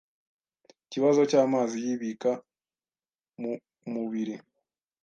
ikibazo cy’amazi yibika mumubiri